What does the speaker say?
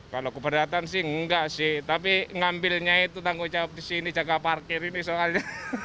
kalau keberatan sih enggak sih tapi ngambilnya itu tanggung jawab di sini jaga parkir ini soalnya